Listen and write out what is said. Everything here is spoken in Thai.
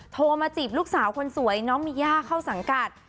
โทรมาจีบลูกสาวคนสวยน้องมีย่าเข้าสังกัด